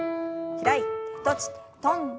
開いて閉じて跳んで。